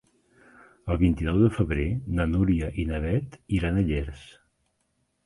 El vint-i-nou de febrer na Núria i na Beth iran a Llers.